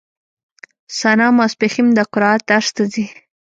ثنا ماسپښين د قرائت درس ته ځي.